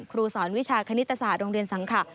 ครูสอนวิชาคณิตศาสตร์โรงเรียนสังขะ